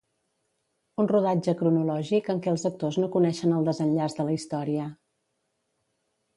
Un rodatge cronològic en què els actors no coneixen el desenllaç de la història.